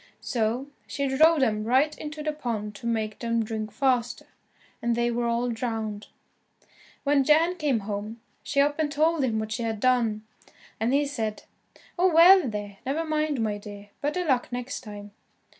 So she drove them right into the pond to make them drink faster, and they were all drowned. When Jan came home, she up and told him what she had done, and he said, "Oh, well, there, never mind, my dear, better luck next time."